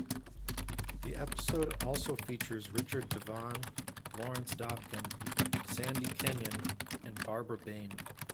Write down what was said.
The episode also features Richard Devon, Lawrence Dobkin, Sandy Kenyon, and Barbara Bain.